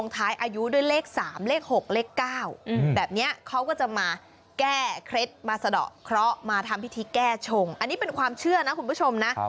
สะดอกเคราะห์มาทำพิธีแก้ชงอันนี้เป็นความเชื่อนะคุณผู้ชมนะ